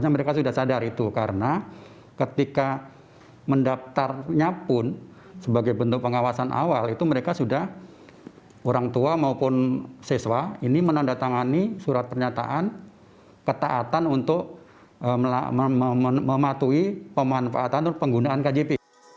matui pemanfaatan dan penggunaan kjp